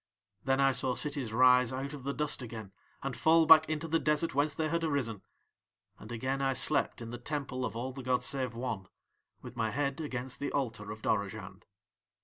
"Then I saw cities rise out of the dust again and fall back into the desert whence they had arisen; and again I slept in the Temple of All the gods save One, with my head against the altar of Dorozhand.